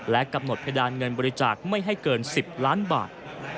กำหนดเพดานเงินบริจาคไม่ให้เกิน๑๐ล้านบาท